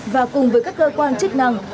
và cùng với các cơ quan chức năng